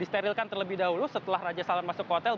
disterilkan terlebih dahulu setelah raja salman masuk ke hotel